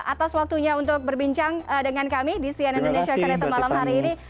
atas waktunya untuk berbincang dengan kami di cnn indonesia connected malam hari ini